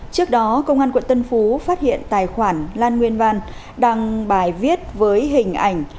trước đó công an quận tân phú phát hiện tài khoản lan nguyên văn đăng bài viết với hình ảnh